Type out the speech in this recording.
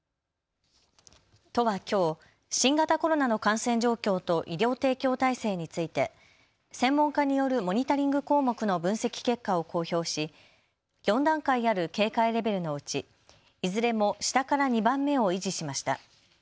都はきょう新型コロナの感染状況と医療提供体制について専門家によるモニタリング項目の分析結果を公表し４段階ある警戒レベルのうちいずれも下から２番目を維持しました。